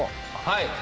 はい。